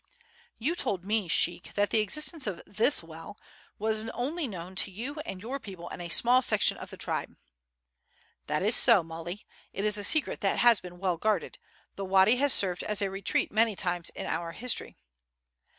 "You told me, sheik, that the existence of this well was only known to you and your people and a small section of the tribe." "That is so, Muley. It is a secret that has been well guarded. The wady has served as a retreat many times in our history."